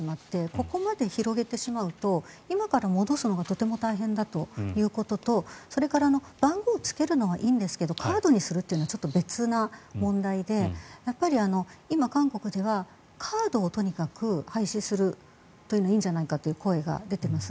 ここまで広げてしまうと今から戻すのがとても大変だということとそれから番号をつけるのはいんですがカードにするのは別の問題で今、韓国ではカードをとにかく廃止するというのがいいんじゃないかという声が出ています。